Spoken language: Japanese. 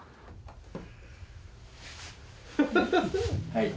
はい。